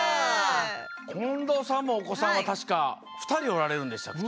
近藤さんのおこさんはたしかふたりおられるんでしたっけ？